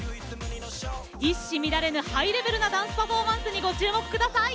一糸乱れぬハイレベルなダンスパフォーマンスにご注目ください。